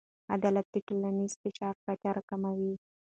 عدالت د ټولنیز فشار کچه راکموي.